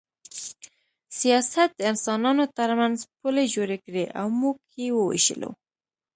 سیاست د انسانانو ترمنځ پولې جوړې کړې او موږ یې ووېشلو